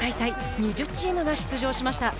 ２０チームが出場しました。